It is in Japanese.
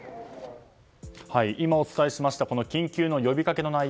今お伝えしました緊急の呼びかけの内容